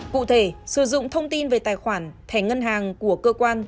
cụ thể sử dụng thông tin về tài khoản thẻ ngân hàng của cơ quan